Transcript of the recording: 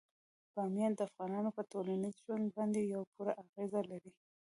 بامیان د افغانانو په ټولنیز ژوند باندې پوره اغېز لري.